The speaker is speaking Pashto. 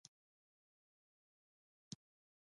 لکه څنګه چې مې وويل هغه صرف يو دوکاندار دی.